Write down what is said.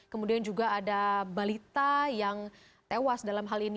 kemudian juga ada balita yang tewas dalam hal ini